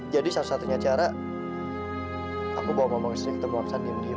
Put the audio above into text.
jadi satu satunya cara aku bawa mama ke sini ketemu aksan diem diem